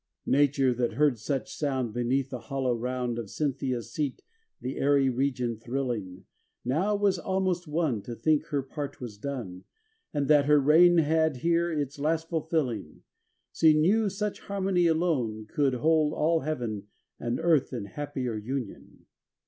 X Nature, that heard such soimd Beneath the hollow round Of Cynthia's seat the airy Region thrilling, Now was almost won To think her part was done, And that her reign had here its last fulfilling: She knew such harmony alone Could hold all Heaven and Earth in happier union.